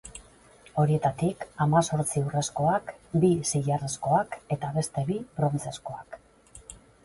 Horietatik hamazortzi urrezkoak, bi zilarrezkoak eta beste bi, brontzezkoak.